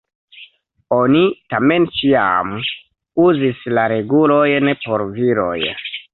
Oni tamen ĉiam uzis la regulojn por viroj.